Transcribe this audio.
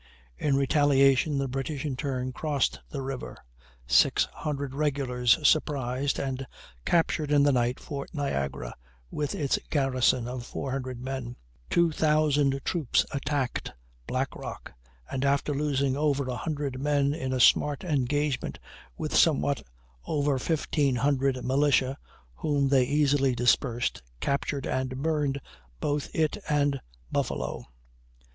In retaliation the British in turn crossed the river; 600 regulars surprised and captured in the night Fort Niagara, with its garrison of 400 men; two thousand troops attacked Black Rock, and after losing over a hundred men in a smart engagement with somewhat over 1,500 militia whom they easily dispersed, captured and burned both it and Buffalo.